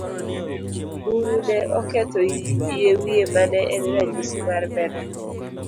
Buru ne oketho yie wiye mane en ranyisi mar berne.